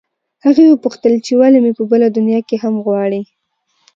هغې وپوښتل چې ولې مې په بله دنیا کې هم غواړې